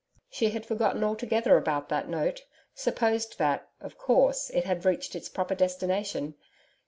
She had forgotten altogether about that note supposed that, of course, it had reached its proper destination.